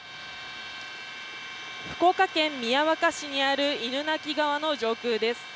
福岡県宮若市にある犬鳴川の上空です。